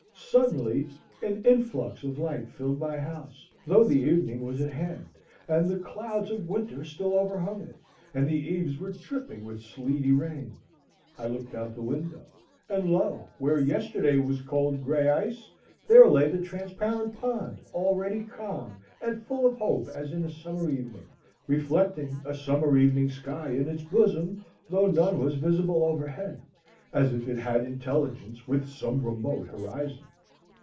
Suddenly an influx of light filled my house, though the evening was at hand, and the clouds of winter still overhung it, and the eaves were dripping with sleety rain. I looked out the window, and lo! where yesterday was cold gray ice there lay the transparent pond already calm and full of hope as in a summer evening, reflecting a summer evening sky in its bosom, though none was visible overhead, as if it had intelligence with some remote horizon.